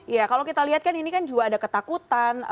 ya kalau kita lihat kan ini kan juga ada ketakutan